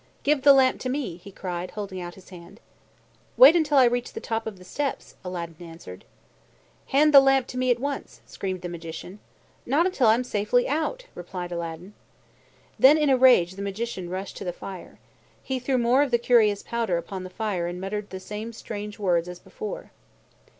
"Give the lamp to me," he cried, holding out his hand. "Wait until I reach the top of the steps," Aladdin answered. "Hand the lamp to me at once!" screamed the Magician. "Not until I am safely out," replied Aladdin. Then in a rage the Magician rushed to the fire. He threw more of the curious powder upon the fire and muttered the same strange words as before.